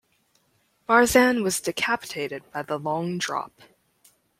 Barzan was decapitated by the long drop.